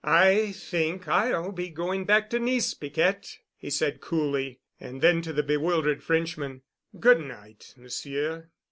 "I think I'll be going back to Nice, Piquette," he said coolly, and then to the bewildered Frenchman, "Good night, Monsieur."